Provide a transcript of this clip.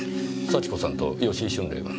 幸子さんと吉井春麗は？